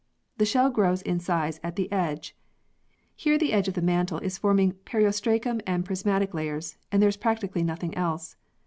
The shell grows in size at the edge. Here the edge of the mantle is forming periostracum and prismatic layers, and there is practically nothing else.